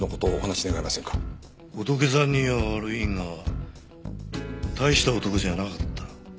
ホトケさんには悪いが大した男じゃなかった。